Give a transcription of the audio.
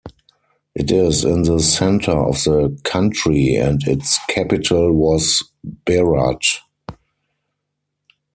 It is in the centre of the country, and its capital was Berat.